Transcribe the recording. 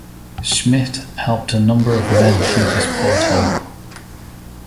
Schmitt helped a number of men through this porthole.